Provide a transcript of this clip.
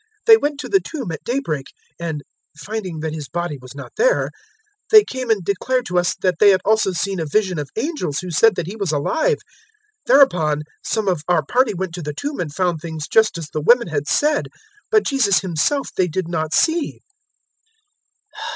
They went to the tomb at daybreak, 024:023 and, finding that His body was not there, they came and declared to us that they had also seen a vision of angels who said that He was alive. 024:024 Thereupon some of our party went to the tomb and found things just as the women had said; but Jesus Himself they did not see."